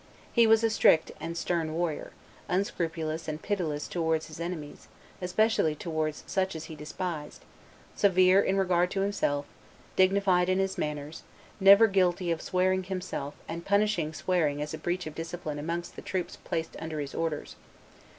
He was a strict and stern warrior, unscrupulous and pitiless towards his enemies, especially towards such as he despised, severe in regard to himself, dignified in his manners, never guilty of swearing himself and punishing swearing as a breach of discipline amongst the troops placed under his orders.